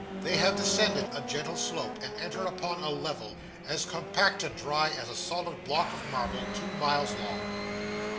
They have descended a gentle slope, and enter upon a level, as compact and dry as a solid block of marble, two miles long.